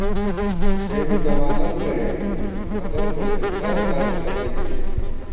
سے بی زمانہ بُوَہ یَک ، مدد کوڅی دردرہ څھدَئی گِرِک